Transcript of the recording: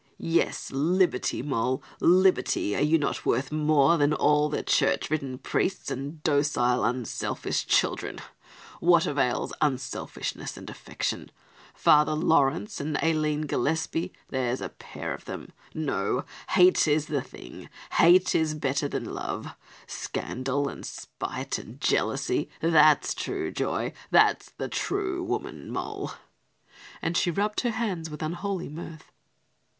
"Yes, liberty, Moll, liberty. Are you not worth more than all their church ridden priests and docile unselfish children? What avails unselfishness and affection? Father Laurence and Aline Gillespie, there's a pair of them! No, hate is the thing, hate is better than love. Scandal and spite and jealousy that's true joy, that's the true woman, Moll," and she rubbed her hands with unholy mirth.